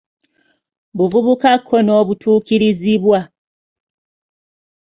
Buvubuka ko n’obutuukirizibwa